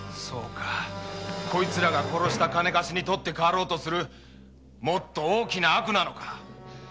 そうかこいつらが殺した金貸しに取って代わろうとするもっと大きな悪なのか。